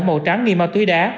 màu trắng nghiêng ma túy đá